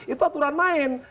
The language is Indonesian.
itu aturan main